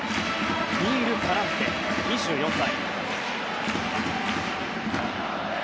ニール・パランテ、２４歳。